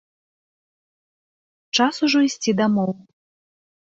Час ужо ісці дамоў.